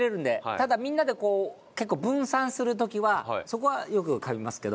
ただみんなでこう結構分散する時はそこはよくかみますけど。